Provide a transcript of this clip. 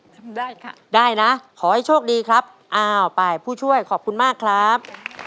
ทำได้ค่ะได้นะขอให้โชคดีครับอ้าวไปผู้ช่วยขอบคุณมากครับ